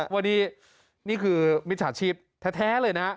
วันนี้นี่คือมิจฉาชีพแท้เลยนะ